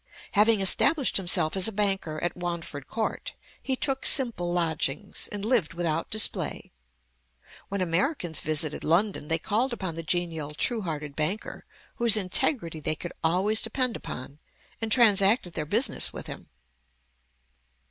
Having established himself as a banker at Wanford Court, he took simple lodgings, and lived without display. When Americans visited London, they called upon the genial, true hearted banker, whose integrity they could always depend upon, and transacted their business with him.